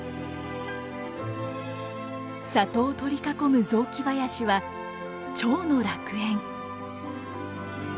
里を取り囲む雑木林はチョウの楽園。